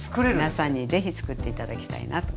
皆さんに是非つくって頂きたいなと。